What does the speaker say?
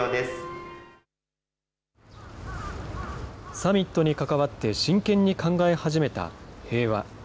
サミットに関わって真剣に考え始めた平和。